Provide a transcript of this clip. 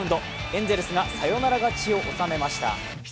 エンゼルスがサヨナラ勝ちを収めました。